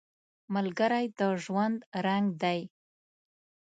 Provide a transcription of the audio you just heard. ملګری د ژوند رنګ دی